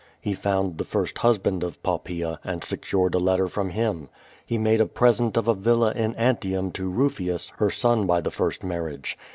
He found the first husband of Poppaea, and secured a letter from him. He made a present of a villa in Antium to Rufius, her son by the first marriage.